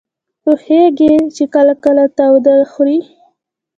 پوهېږي چې کله کله تاوده خوري.